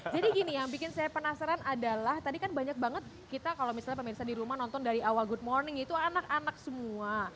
jadi gini yang bikin saya penasaran adalah tadi kan banyak banget kita kalau misalnya pemirsa di rumah nonton dari awal good morning itu anak anak semua